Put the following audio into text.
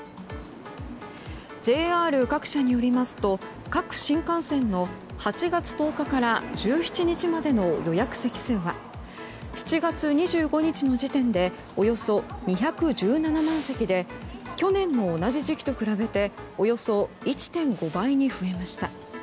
ＪＲ各社によりますと各新幹線の８月１０日から１７日までの予約席数は７月２５日の時点でおよそ２１７万席で去年の同じ時期と比べておよそ１．５倍に増えました。